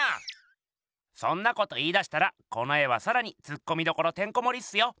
そんなこと言いだしたらこの絵はさらにツッコミどころてんこもりっすよ。